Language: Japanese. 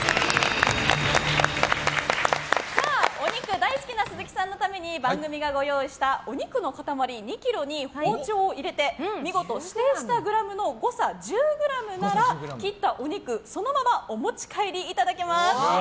お肉大好きな鈴木さんのために番組がご用意したお肉の塊２ｋｇに包丁を入れて見事指定したグラムの誤差１０ｇなら、切ったお肉そのままお持ち帰りいただけます。